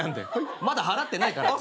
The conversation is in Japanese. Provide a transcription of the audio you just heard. まだ払ってないから。